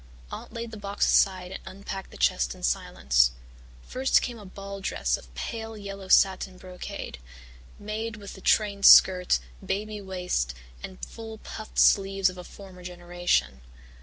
Aunt laid the box aside and unpacked the chest in silence. First came a ball dress of pale yellow satin brocade, made with the trained skirt, "baby" waist and full puffed sleeves of a former generation.